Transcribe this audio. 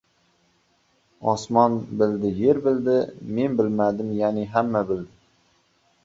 • Osmon bildi, yer bildi — men bildim, ya’ni, hamma bildi.